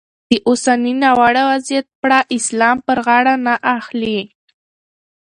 د اوسني ناوړه وضیعت پړه اسلام پر غاړه نه اخلي.